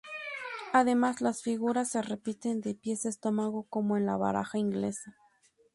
Además, las figuras se repiten de pies a estómago como en la baraja Inglesa.